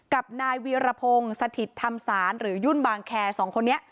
กับนายวีรพงศ์สถิตธรรมศาลหรือยุ่นบางแคร์สองคนนี้